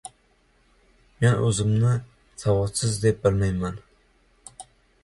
— Men o‘zimni savodsiz deb bilmayman!